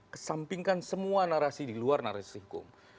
kesampingkan semua narasi di luar narasi hukum